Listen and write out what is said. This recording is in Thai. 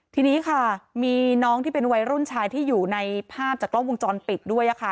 ทีนี้ค่ะมีน้องที่เป็นวัยรุ่นชายที่อยู่ในภาพจากกล้องวงจรปิดด้วยค่ะ